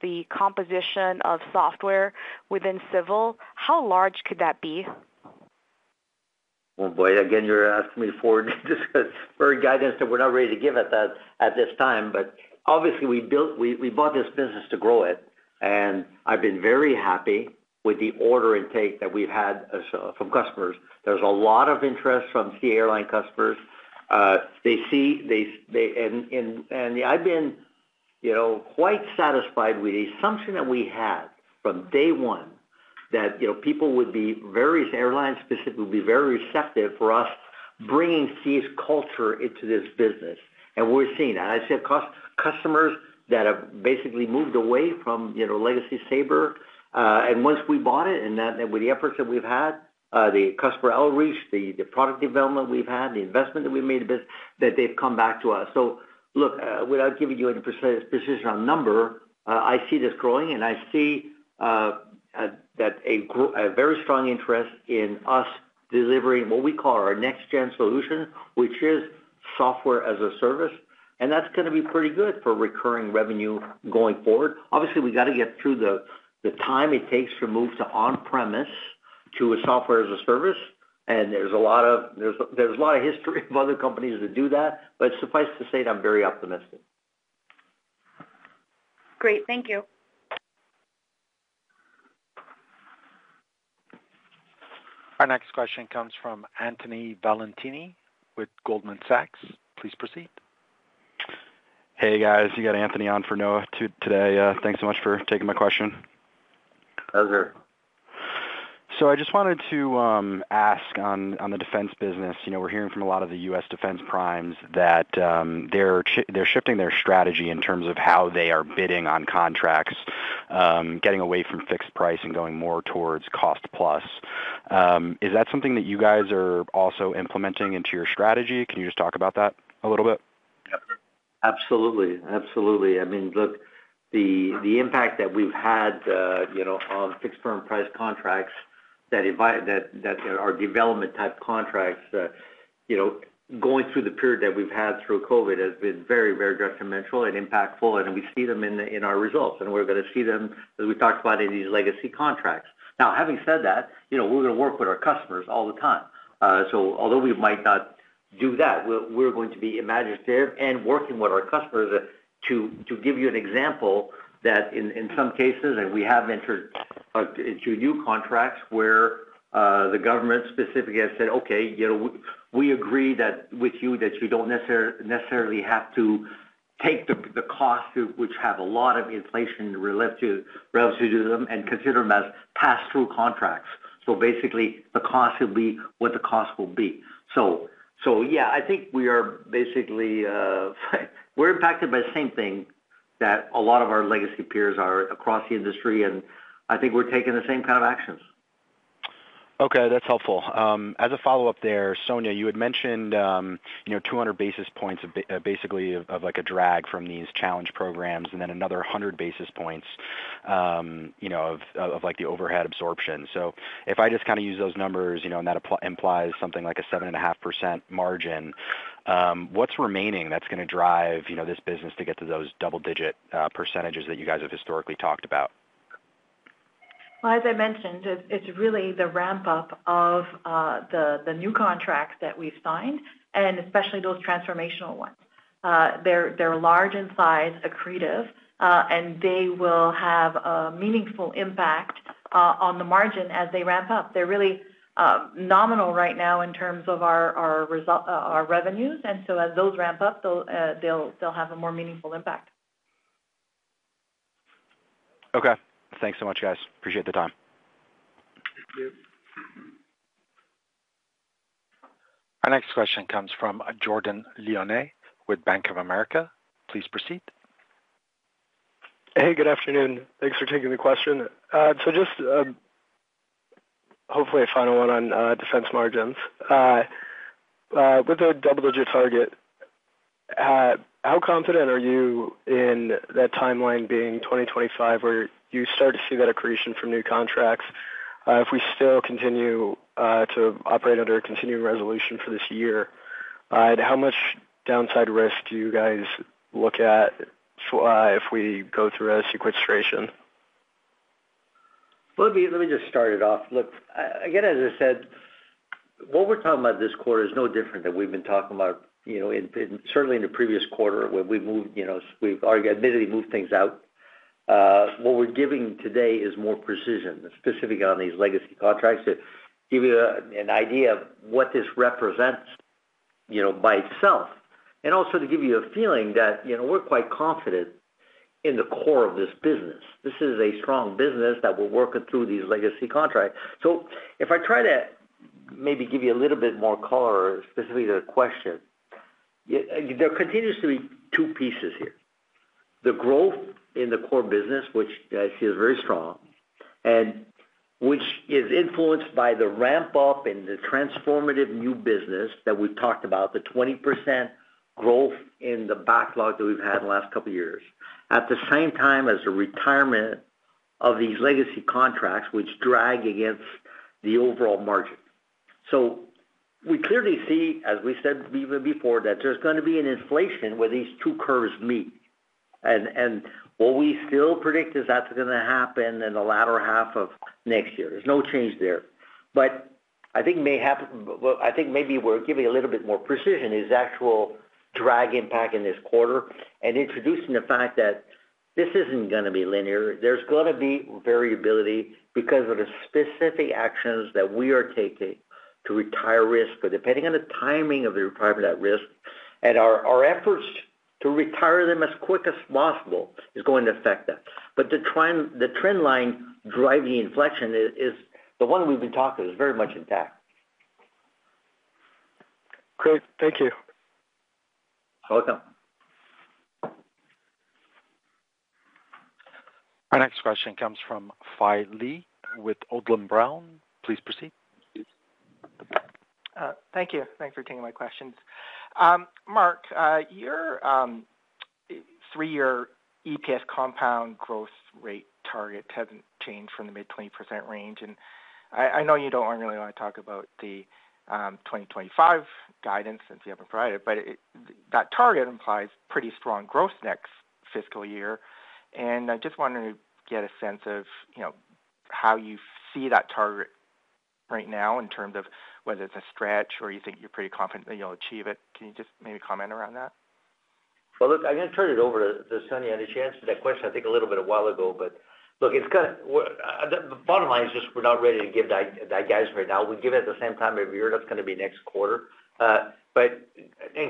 the composition of software within civil, how large could that be? Oh boy. Again, you're asking me for guidance that we're not ready to give at this time. But obviously, we bought this business to grow it. And I've been very happy with the order intake that we've had from customers. There's a lot of interest from CAE Airline customers. They see, and I've been quite satisfied with the assumption that we had from day one that people would be various airline specifically would be very receptive for us bringing CAE's culture into this business. And we're seeing that. I see customers that have basically moved away from legacy Sabre. And once we bought it and with the efforts that we've had, the customer outreach, the product development we've had, the investment that we've made in business, that they've come back to us. So look, without giving you any precision on number, I see this growing, and I see a very strong interest in us delivering what we call our next-gen solution, which is software as a service. And that's going to be pretty good for recurring revenue going forward. Obviously, we got to get through the time it takes to move to on-premise to a software as a service. And there's a lot of history of other companies that do that. But suffice to say, I'm very optimistic. Great. Thank you. Our next question comes from Anthony Valentini with Goldman Sachs. Please proceed. Hey, guys. You got Anthony on for Noah today. Thanks so much for taking my question. Pleasure. So I just wanted to ask on the defense business. We're hearing from a lot of the U.S. defense primes that they're shifting their strategy in terms of how they are bidding on contracts, getting away from fixed price and going more towards cost-plus. Is that something that you guys are also implementing into your strategy? Can you just talk about that a little bit? Absolutely. Absolutely. I mean, look, the impact that we've had on firm fixed price contracts, that are development-type contracts, going through the period that we've had through COVID has been very, very detrimental and impactful. And we see them in our results. And we're going to see them, as we talked about, in these legacy contracts. Now, having said that, we're going to work with our customers all the time. So although we might not do that, we're going to be imaginative and working with our customers to give you an example that in some cases, and we have entered into new contracts where the government specifically has said, "Okay. We agree with you that you don't necessarily have to take the costs, which have a lot of inflation relative to them, and consider them as pass-through contracts." So basically, the cost will be what the cost will be. So yeah, I think we're basically impacted by the same thing that a lot of our legacy peers are across the industry. And I think we're taking the same kind of actions. Okay. That's helpful. As a follow-up there, Sonya, you had mentioned 200 basis points basically of a drag from these challenge programs and then another 100 basis points of the overhead absorption. So if I just kind of use those numbers, and that implies something like a 7.5% margin, what's remaining that's going to drive this business to get to those double-digit percentages that you guys have historically talked about? Well, as I mentioned, it's really the ramp-up of the new contracts that we've signed and especially those transformational ones. They're large in size, accretive, and they will have a meaningful impact on the margin as they ramp up. They're really nominal right now in terms of our revenues. And so as those ramp up, they'll have a more meaningful impact. Okay. Thanks so much, guys. Appreciate the time. Thank you. Our next question comes from Jordan Lyonnais with Bank of America. Please proceed. Hey. Good afternoon. Thanks for taking the question. So just hopefully a final one on defense margins. With a double-digit target, how confident are you in that timeline being 2025 where you start to see that accretion from new contracts if we still continue to operate under a continuing resolution for this year? And how much downside risk do you guys look at if we go through a sequestration? Well, let me just start it off. Look, again, as I said, what we're talking about this quarter is no different than we've been talking about certainly in the previous quarter where we've admittedly moved things out. What we're giving today is more precision specifically on these legacy contracts to give you an idea of what this represents by itself and also to give you a feeling that we're quite confident in the core of this business. This is a strong business that we're working through these legacy contracts. So if I try to maybe give you a little bit more color specifically to the question, there continues to be two pieces here. The growth in the core business, which I see as very strong, and which is influenced by the ramp-up and the transformative new business that we've talked about, the 20% growth in the backlog that we've had in the last couple of years at the same time as the retirement of these legacy contracts, which drag against the overall margin. We clearly see, as we said even before, that there's going to be an inflation where these two curves meet. What we still predict is that's going to happen in the latter half of next year. There's no change there. But I think maybe we're giving a little bit more precision is actual drag impact in this quarter and introducing the fact that this isn't going to be linear. There's going to be variability because of the specific actions that we are taking to retire risk, or depending on the timing of the retirement at risk. Our efforts to retire them as quick as possible is going to affect that. The trend line driving the inflection is the one we've been talking is very much intact. Great. Thank you. You're welcome. Our next question comes from Phi Lee with Odlum Brown. Please proceed. Thank you. Thanks for taking my questions. Mark, your three-year EPS compound growth rate target hasn't changed from the mid-20% range. I know you don't really want to talk about the 2025 guidance since you haven't provided it, but that target implies pretty strong growth next fiscal year. I just wanted to get a sense of how you see that target right now in terms of whether it's a stretch or you think you're pretty confident that you'll achieve it. Can you just maybe comment around that? Well, look, I'm going to turn it over to Sonya and to answer that question, I think, a little bit a while ago. But look, the bottom line is just we're not ready to give guidance right now. We give it at the same time every year. That's going to be next quarter. But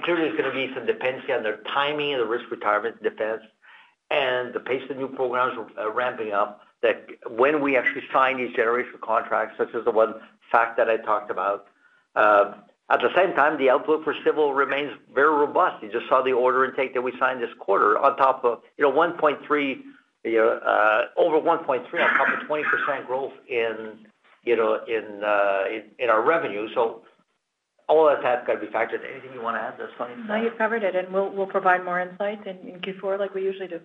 clearly, there's going to be some dependency on the timing of the risk retirement defense and the pace of new programs ramping up when we actually sign these generational contracts such as the one FACT that I talked about. At the same time, the outlook for civil remains very robust. You just saw the order intake that we signed this quarter on top of 1.3 over 1.3 on top of 20% growth in our revenue. So all of that's got to be factored. Anything you want to add there, Sonya? No, you've covered it. We'll provide more insights and give more like we usually do.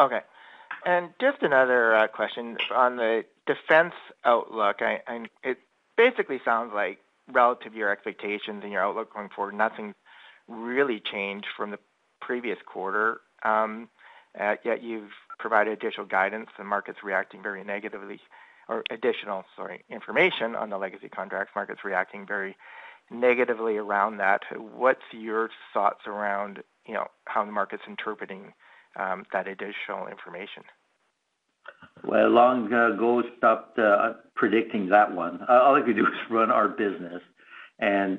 Okay. Just another question on the defense outlook. It basically sounds like relative to your expectations and your outlook going forward, nothing really changed from the previous quarter. Yet you've provided additional guidance. The market's reacting very negatively or additional, sorry, information on the legacy contracts. Market's reacting very negatively around that. What's your thoughts around how the market's interpreting that additional information? Well, long ago stopped predicting that one. All I could do is run our business. And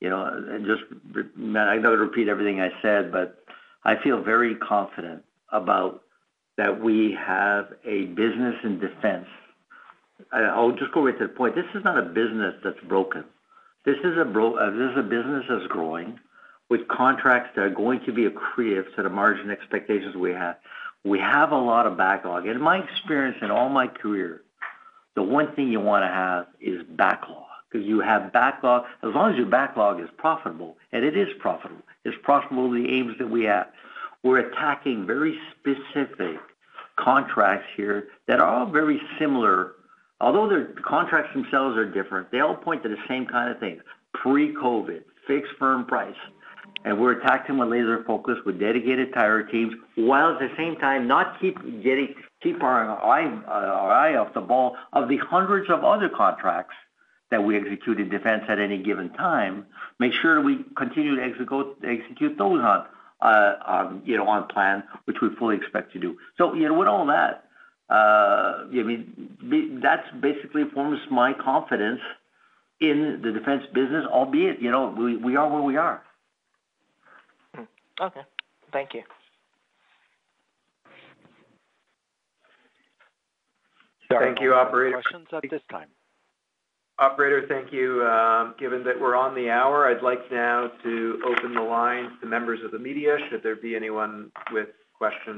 just, I'm going to repeat everything I said, but I feel very confident about that we have a business in defense. I'll just go right to the point. This is not a business that's broken. This is a business that's growing with contracts that are going to be accretive to the margin expectations we have. We have a lot of backlog. In my experience and all my career, the one thing you want to have is backlog because you have backlog as long as your backlog is profitable, and it is profitable. It's profitable to the aims that we have. We're attacking very specific contracts here that are all very similar. Although the contracts themselves are different, they all point to the same kind of thing: pre-COVID, fixed firm price. We're attacking them with laser focus, with dedicated tiger teams, while at the same time not keep our eye off the ball of the hundreds of other contracts that we execute in defense at any given time, make sure that we continue to execute those on plan, which we fully expect to do. So with all that, I mean, that basically forms my confidence in the defense business, albeit we are where we are. Okay. Thank you. Thank you, operator. Questions at this time? Operator, thank you. Given that we're on the hour, I'd like now to open the lines to members of the media. Should there be anyone with questions?